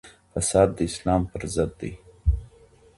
فساد د اسلام په ضد دی.